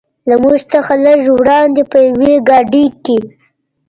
له موږ څخه لږ څه وړاندې په یوې ګاډۍ کې.